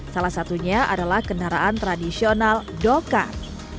salah satunya adalah kendaraan tradisional dokar